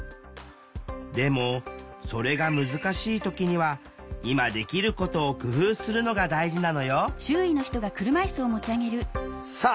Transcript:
でもそれが難しい時には今できることを工夫するのが大事なのよさあ